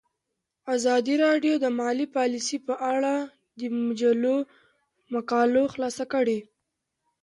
ازادي راډیو د مالي پالیسي په اړه د مجلو مقالو خلاصه کړې.